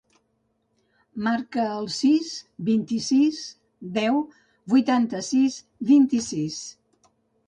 Marca el sis, vint-i-sis, deu, vuitanta-sis, vint-i-sis.